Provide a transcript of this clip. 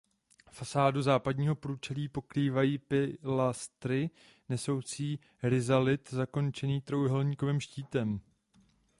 Fasádu západního průčelí pokrývají pilastry nesoucí rizalit zakončený trojúhelníkovým štítem.